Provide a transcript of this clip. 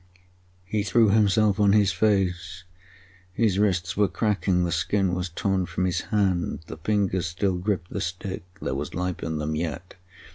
He threw himself on his face. His wrists were cracking, the skin was torn from his hands. The fingers still gripped the stick. There was life in them yet.